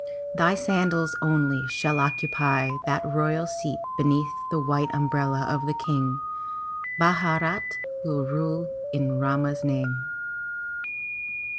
Thy sandals only shall occupy that royal seat beneath the white umbrella of the King. Bharat will rule in Rama's name.